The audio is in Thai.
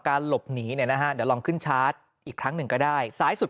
หลบหนีเนี่ยนะฮะเดี๋ยวลองขึ้นชาร์จอีกครั้งหนึ่งก็ได้ซ้ายสุด